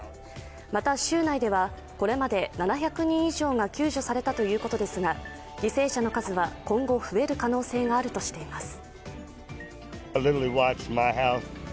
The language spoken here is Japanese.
また、州内ではこれまで７００人以上が救助されたということですが、犠牲者の数は今後、増える可能性があるとしています。